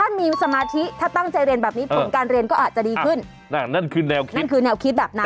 ถ้ามีสมาธิถ้าตั้งใจเรียนแบบนี้ผลการเรียนก็อาจจะดีขึ้นนั่นคือแนวคิดแบบนั้น